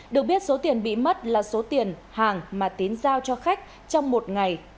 được biết số tiền bị mất là số tiền hàng mà tín giao cho khách trong một ngày